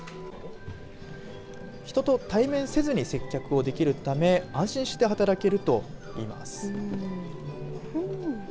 人と対面せずに接客をできるため安心して働けると言います。